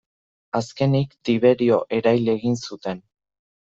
Azkenik, Tiberio erail egin zuten.